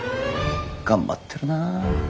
頑張ってるな。